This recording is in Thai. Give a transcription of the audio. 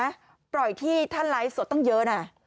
เพิ่มเห็นโปรดท่านท่านไลฟ์สดต้องเยอะนะ